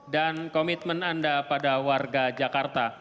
dan komitmen anda pada warga jakarta